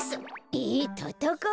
えたたかう！？